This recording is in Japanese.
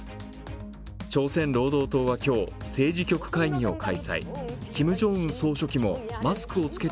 朝鮮労働党は今日、政治局会議を開催。